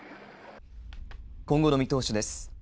今後の見通しです。